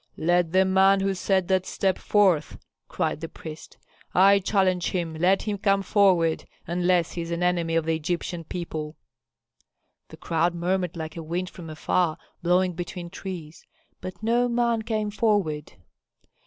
"Let the man who said that step forth," cried the priest. "I challenge him, let him come forward, unless he is an enemy of the Egyptian people." The crowd murmured like a wind from afar blowing between trees, but no man came forward.